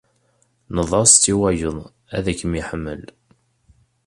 Nneḍ-as-tt i wayeḍ ad kem-yeḥmel.